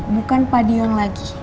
bukan padiong lagi